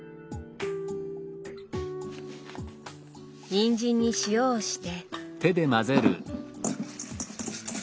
にんじんに塩をして。